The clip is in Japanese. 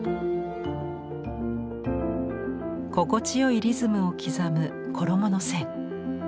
心地よいリズムを刻む衣の線。